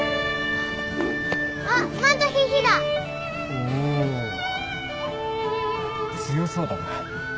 おぉ強そうだな。